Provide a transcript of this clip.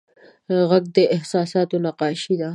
غږ د احساساتو نقاشي ده